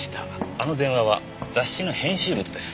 あの電話は雑誌の編集部とです。